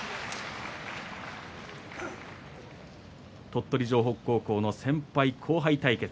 鳥取城北高校の先輩後輩対決。